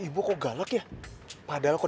bisa ga ada apa apa sih